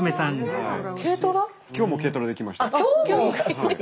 今日も軽トラで来ました。